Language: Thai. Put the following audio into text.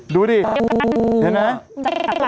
ดูดิเห็นไหม